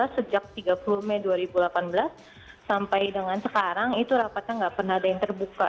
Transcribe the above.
sejak tiga puluh mei dua ribu delapan belas sampai dengan sekarang itu rapatnya nggak pernah ada yang terbuka